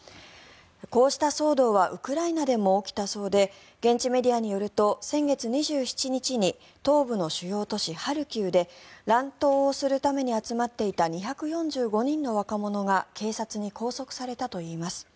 こうした騒動はウクライナでも起きたそうで現地メディアによると先月２７日に東部の主要都市ハルキウで乱闘をするために集まっていた２４５人の若者が警察に拘束されたといいます。